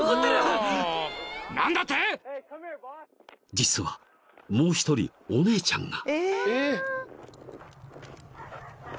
［実はもう一人お姉ちゃんが］